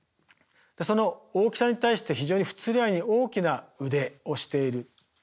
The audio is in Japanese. その大きさに対して非常に不釣り合いに大きな腕をしている。